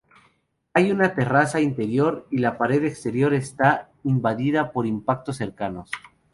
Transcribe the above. Hay una terraza interior, y la pared exterior está invadida por impactos cercanos.